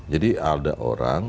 jadi ada orang